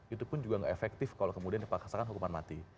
itu pun juga nggak efektif kalau kemudian dipaksakan hukuman mati